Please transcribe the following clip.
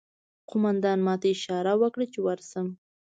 قومندان ماته اشاره وکړه چې ورشم